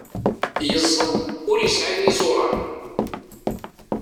Yeẓẓa ur yesɛi iẓuran.